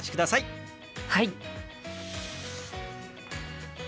はい。